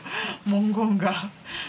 文言が。